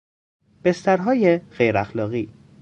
بسترهای غیراخلاقی